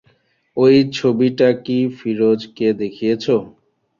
ঐ ছবিটা কি ফিরোজকে দেখিয়েছ?